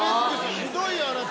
ひどいよあなた。